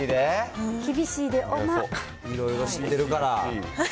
いろいろ知ってるから。